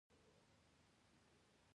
افغانستان کې د غرونه په اړه زده کړه کېږي.